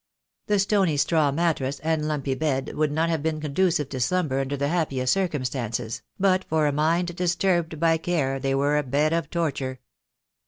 The stony straw mattrass and lumpy feather bed would not have been conducive to slumber under the happiest circumstances, but for a mind disturbed by care they were a bed of torture.